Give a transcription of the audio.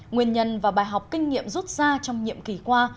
nguyên nhân và bài học kinh nghiệm rút ra trong nhiệm kỳ qua